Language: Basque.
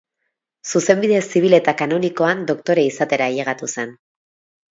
Zuzenbide zibil eta kanonikoan doktore izatera ailegatu zen.